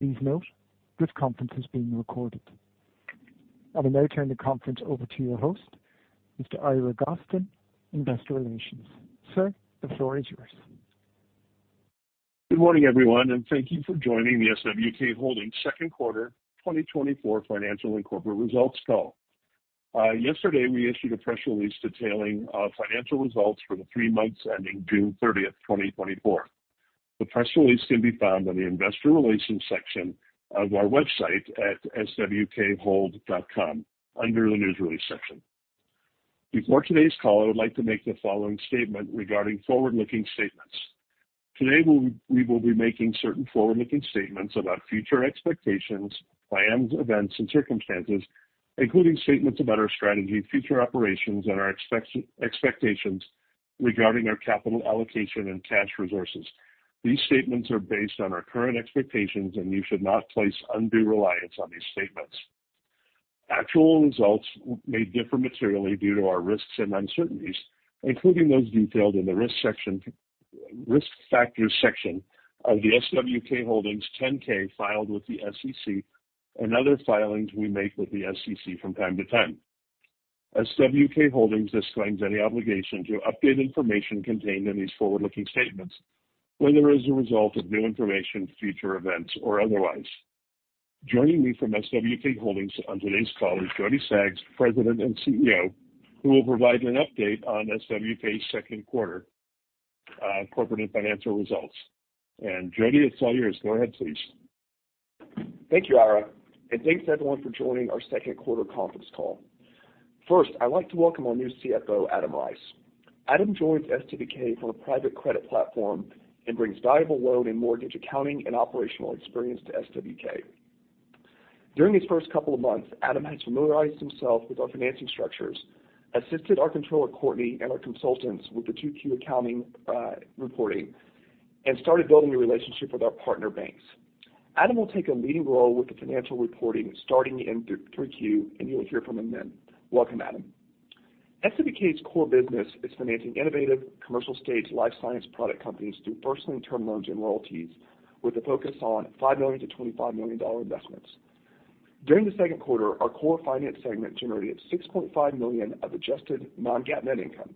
Please note, this conference is being recorded. I will now turn the conference over to your host, Mr. Ira Gaston, Investor Relations. Sir, the floor is yours. Good morning, everyone, and thank you for joining the SWK Holdings second quarter twenty twenty-four financial and corporate results call. Yesterday, we issued a press release detailing financial results for the three months ending June 30th, 2024. The press release can be found on the investor relations section of our website at swkhold.com, under the News Release section. Before today's call, I would like to make the following statement regarding forward-looking statements. Today, we will be making certain forward-looking statements about future expectations, plans, events, and circumstances, including statements about our strategy, future operations, and our expectations regarding our capital allocation and cash resources. These statements are based on our current expectations, and you should not place undue reliance on these statements. Actual results may differ materially due to our risks and uncertainties, including those detailed in the risk section, risk factors section of the SWK Holdings 10-K filed with the SEC and other filings we make with the SEC from time to time. SWK Holdings disclaims any obligation to update information contained in these forward-looking statements whether as a result of new information, future events, or otherwise. Joining me from SWK Holdings on today's call is Jody Staggs, President and CEO, who will provide an update on SWK's second quarter corporate and financial results. Jody, it's all yours. Go ahead, please. Thank you, Ira, and thanks, everyone, for joining our second quarter conference call. First, I'd like to welcome our new CFO, Adam Rice. Adam joins SWK from a private credit platform and brings valuable loan and mortgage accounting and operational experience to SWK. During his first couple of months, Adam has familiarized himself with our financing structures, assisted our controller, Courtney, and our consultants with the 2Q accounting, reporting, and started building a relationship with our partner banks. Adam will take a leading role with the financial reporting starting in 3Q, and you will hear from him then. Welcome, Adam. SWK's core business is financing innovative commercial-stage life science product companies through principal term loans and royalties, with a focus on $5 million-$25 million investments. During the second quarter, our core finance segment generated $6.5 million of adjusted non-GAAP net income.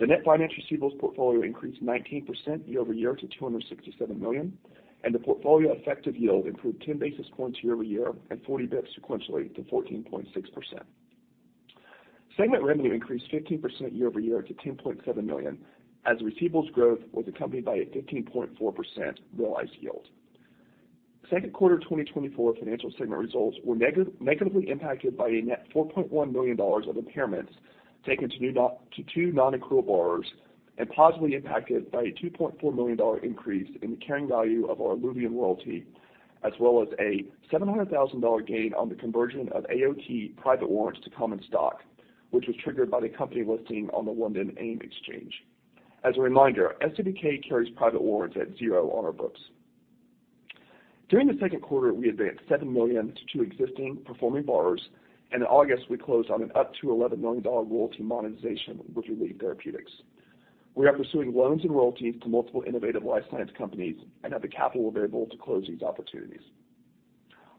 The net finance receivables portfolio increased 19% year-over-year to $267 million, and the portfolio effective yield improved 10 basis points year-over-year and 40 basis points sequentially to 14.6%. Segment revenue increased 15% year-over-year to $10.7 million, as receivables growth was accompanied by a 15.4% realized yield. Second quarter 2024 financial segment results were negatively impacted by a net $4.1 million of impairments taken to two non-accrual borrowers and positively impacted by a $2.4 million increase in the carrying value of our ILUVIEN royalty, as well as a $700,000 gain on the conversion of AOTI private warrants to common stock, which was triggered by the company listing on the London AIM Exchange. As a reminder, SWK carries private warrants at zero on our books. During the second quarter, we advanced $7 million to two existing performing borrowers, and in August, we closed on an up to $11 million royalty monetization with Relief Therapeutics. We are pursuing loans and royalties to multiple innovative life science companies and have the capital available to close these opportunities.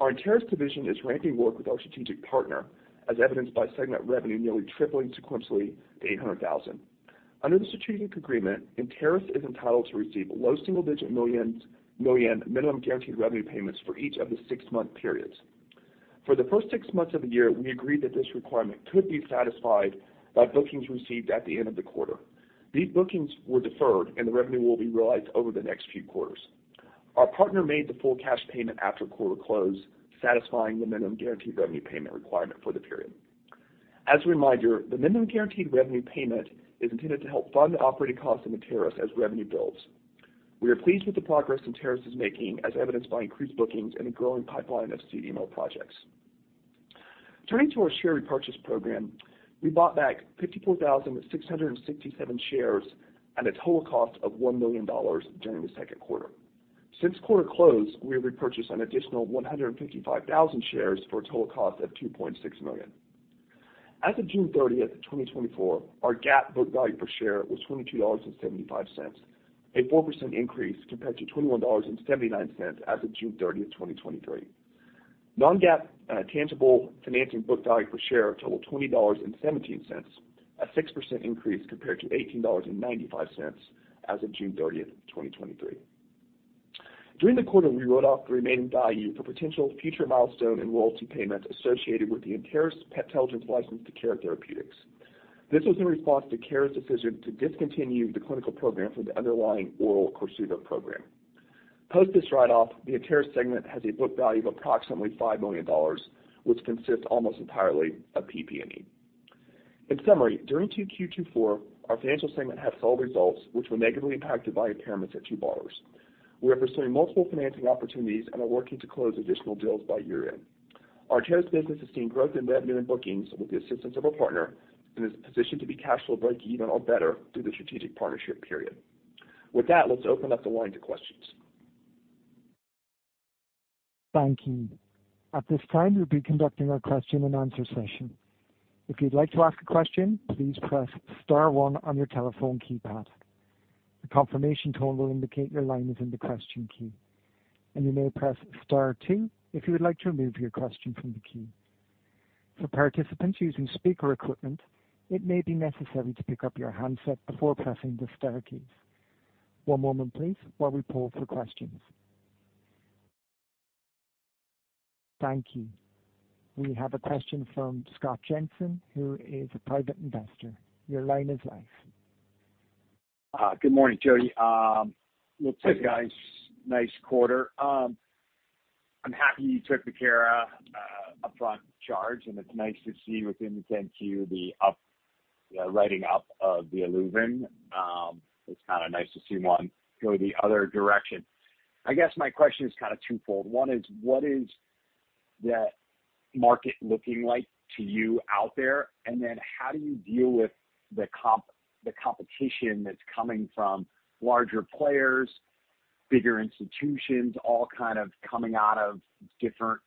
Ou r Enteris division is ramping work with our strategic partner, as evidenced by segment revenue nearly tripling sequentially to $800,000. Under the strategic agreement, Enteris is entitled to receive low single-digit millions minimum guaranteed revenue payments for each of the six-month periods. For the first six months of the year, we agreed that this requirement could be satisfied by bookings received at the end of the quarter. These bookings were deferred, and the revenue will be realized over the next few quarters. Our partner made the full cash payment after quarter close, satisfying the minimum guaranteed revenue payment requirement for the period. As a reminder, the minimum guaranteed revenue payment is intended to help fund operating costs in Enteris as revenue builds. We are pleased with the progress Enteris is making, as evidenced by increased bookings and a growing pipeline of CDMO projects. Turning to our share repurchase program, we bought back 54,667 shares at a total cost of $1 million during the second quarter. Since quarter close, we have repurchased an additional 155,000 shares for a total cost of $2.6 million. As of June 30th, 2024, our GAAP book value per share was $22.75, a 4% increase compared to $21.79 as of June 30th, 2023. Non-GAAP tangible financing book value per share totaled $20.17, a 6% increase compared to $18.95 as of June 30th, 2023. During the quarter, we wrote off the remaining value for potential future milestone and royalty payments associated with the Enteris’ Peptelligence license to Cara Therapeutics. This was in response to Cara’s decision to discontinue the clinical program for the underlying Oral KORSUVA program. Post this write-off, the Enteris segment has a book value of approximately $5 million, which consists almost entirely of PP&E. In summary, during 2Q 2024, our financial segment had solid results, which were negatively impacted by impairments at two borrowers. We are pursuing multiple financing opportunities and are working to close additional deals by year-end. Our Enteris business has seen growth in revenue and bookings with the assistance of a partner and is positioned to be cash flow break even or better through the strategic partnership period. With that, let's open up the line to questions. Thank you. At this time, we'll be conducting our question and answer session. If you'd like to ask a question, please press star one on your telephone keypad. A confirmation tone will indicate your line is in the question queue, and you may press star two if you would like to remove your question from the queue. For participants using speaker equipment, it may be necessary to pick up your handset before pressing the star keys. One moment please, while we poll for questions. Thank you. We have a question from Scott Jensen, who is a private investor. Your line is live. Good morning, Jody. Look, guys, nice quarter. I'm happy you took the Cara upfront charge, and it's nice to see within the 10-Q, the writing up of the ILUVIEN. It's kind of nice to see one go the other direction. I guess my question is kind of twofold. One is, what is the market looking like to you out there? And then how do you deal with the competition that's coming from larger players, bigger institutions, all kind of coming out of different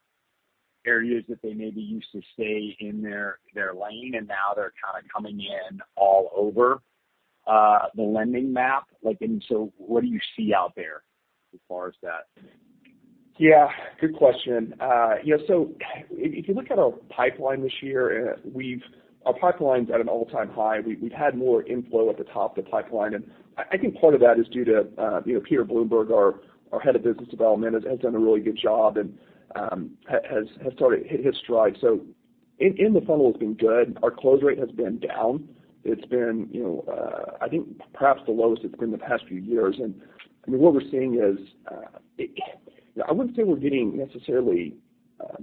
areas that they maybe used to stay in their lane, and now they're kind of coming in all over, the lending map? Like, and so what do you see out there as far as that? Yeah, good question. You know, so if you look at our pipeline this year, we've -- our pipeline's at an all-time high. We've had more inflow at the top of the pipeline, and I think part of that is due to, you know, Peter Bromberg, our head of business development, has done a really good job and has sort of hit stride. So in the funnel has been good. Our close rate has been down. It's been, you know, I think perhaps the lowest it's been the past few years. And, I mean, what we're seeing is, I wouldn't say we're getting necessarily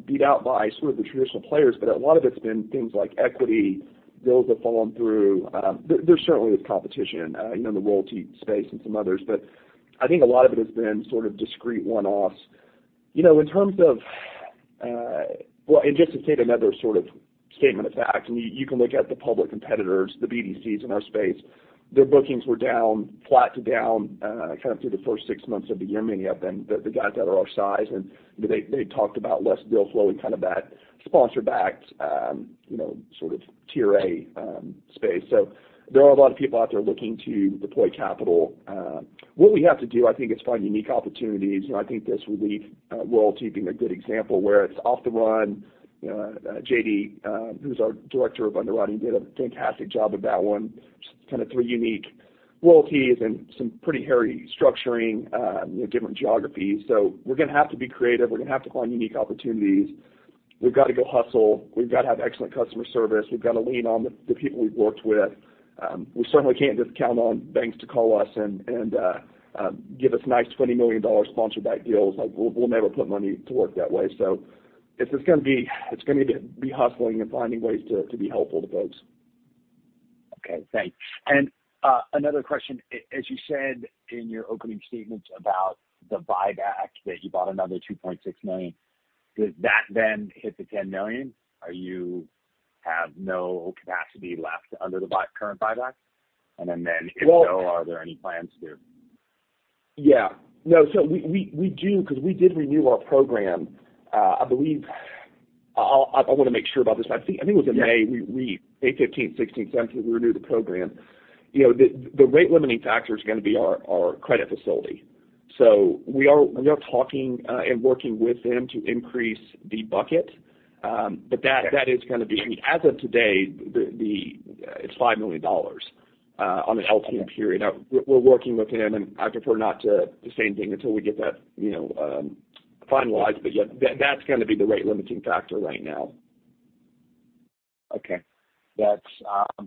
beat out by sort of the traditional players, but a lot of it's been things like equity deals have fallen through. There certainly is competition, you know, in the royalty space and some others, but I think a lot of it has been sort of discrete one-offs. You know, in terms of... Well, and just to state another sort of statement of fact, I mean, you can look at the public competitors, the BDCs in our space. Their bookings were down, flat to down, kind of through the first six months of the year, many of them, the guys that are our size, and, you know, they talked about less deal flow and kind of that sponsor-backed, you know, sort of tier A space. So there are a lot of people out there looking to deploy capital. What we have to do, I think, is find unique opportunities, and I think this Relief royalty being a good example, where it's off the run. J.D., who's our Director of Underwriting, did a fantastic job with that one. Just kind of three unique royalties and some pretty hairy structuring, you know, different geographies, so we're gonna have to be creative. We're gonna have to find unique opportunities. We've got to go hustle. We've got to have excellent customer service. We've got to lean on the people we've worked with. We certainly can't just count on banks to call us and give us nice $20 million sponsor-backed deals. Like, we'll never put money to work that way, so if it's gonna be, it's gonna be hustling and finding ways to be helpful to folks. Okay, thanks. And another question, as you said in your opening statement about the buyback, that you bought another 2.6 million. Does that then hit the 10 million? Are you have no capacity left under the current buyback? And then, if so, are there any plans to? Yeah. No, so we do, 'cause we did renew our program, I believe. I wanna make sure about this. I think it was in May. Yeah. We May fifteenth, sixteenth, seventeenth, we renewed the program. You know, the rate limiting factor is gonna be our credit facility. So we are talking and working with them to increase the bucket. But that- Okay. That is gonna be. I mean, as of today, it's $5 million on the LT period. Okay. Now, we're working with them, and I'd prefer not to say anything until we get that, you know, finalized, but yeah, that's gonna be the rate limiting factor right now. Okay. That's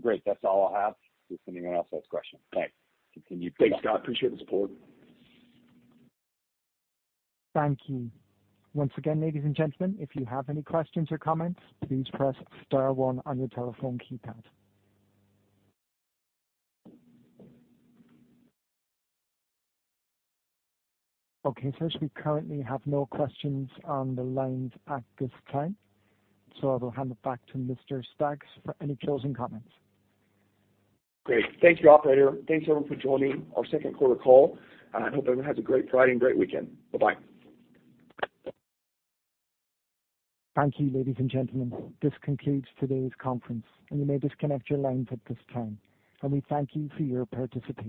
great. That's all I have, if anyone else has questions. Thanks. Continue. Thanks, Scott. Appreciate the support. Thank you. Once again, ladies and gentlemen, if you have any questions or comments, please press star one on your telephone keypad. Okay, so as we currently have no questions on the lines at this time, so I will hand it back to Mr. Staggs for any closing comments. Great. Thank you, operator. Thanks, everyone, for joining our second quarter call, and I hope everyone has a great Friday and great weekend. Bye-bye. Thank you, ladies and gentlemen. This concludes today's conference, and you may disconnect your lines at this time, and we thank you for your participation.